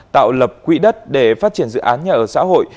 tạo lập quỹ đất để phát triển dự án nhà ở xã hội